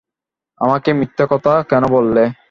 আমাকে মিথ্যা কথা কেন বললে?